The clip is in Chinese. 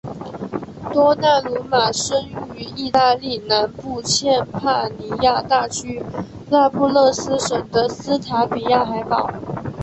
多纳鲁马生于义大利南部坎帕尼亚大区那不勒斯省的斯塔比亚海堡。